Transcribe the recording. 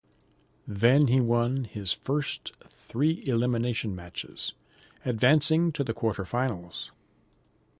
He then won his first three elimination matches, advancing to the quarterfinals.